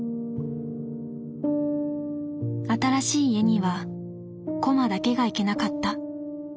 新しい家にはコマだけが行けなかった。